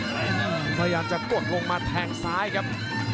พยายามจะกดลงมาแทงซ้ายครับ